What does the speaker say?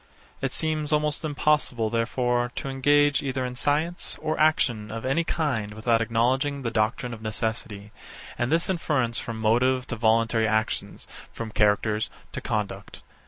It seems almost impossible, therefore, to engage either in science or action of any kind without acknowledging the doctrine of necessity, and this inference from motive to voluntary actions, from characters to conduct.